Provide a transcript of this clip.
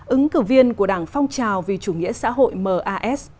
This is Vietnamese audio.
ứng cử viên của đảng phong trào vì chủ nghĩa xã hội mas